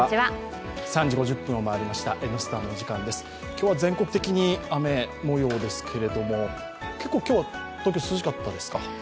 今日は全国的に雨もようですけれども、結構、今日は東京、涼しかったですか。